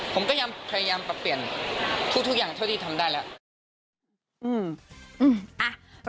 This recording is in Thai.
ผมก็พยายามปรับเปลี่ยนทุกอย่างเท่าที่ทำได้แล้ว